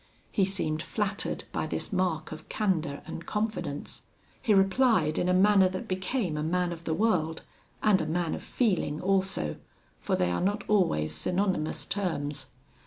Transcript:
"He seemed flattered by this mark of candour and confidence. He replied in a manner that became a man of the world, and a man of feeling also, for they are not always synonymous terms.